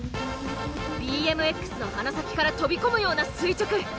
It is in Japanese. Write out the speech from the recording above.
ＢＭＸの鼻先から飛び込むような垂直。